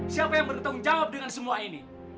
siapa yang bertanggung jawab dengan semua ini